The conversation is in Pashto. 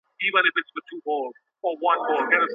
پیسې بې حسابه نه ورکول کېږي.